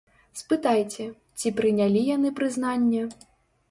Спытайце, ці прынялі яны прызнанне.